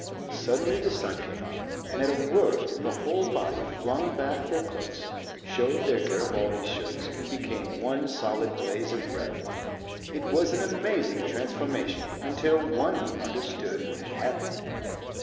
Suddenly the sun came out and at a word the whole body flung back their cloaks, showed their Garibaldi shirts and became one solid blaze of red. It was an amazing transformation until one understood what had happened.